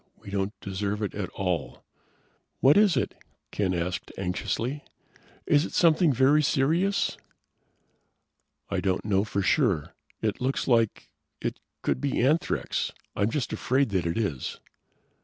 We don't deserve it at all." "What is it?" Ken asked anxiously. "Is it something very serious?" "I don't know for sure. It looks like it could be anthrax. I'm just afraid that it is."